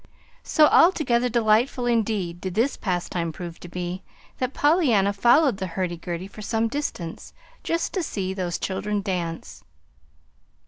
So altogether delightful, indeed, did this pastime prove to be that Pollyanna followed the hurdy gurdy for some distance, just to see those children dance.